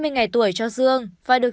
năm mươi ngày tuổi cho dương và được